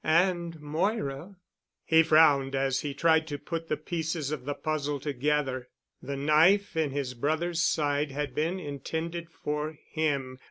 And Moira.... He frowned as he tried to put the pieces of the puzzle together. The knife in his brother's side had been intended for him.